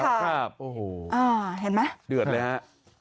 ครับโอ้โหเห็นมั้ยเดือดแล้ว